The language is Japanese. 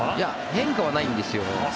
変化はないんですよ。